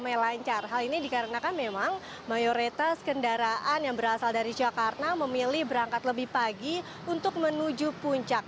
ramai lancar hal ini dikarenakan memang mayoritas kendaraan yang berasal dari jakarta memilih berangkat lebih pagi untuk menuju puncak